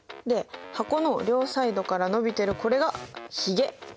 で箱の両サイドから伸びてるこれがひげ。